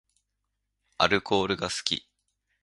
アルコールが好き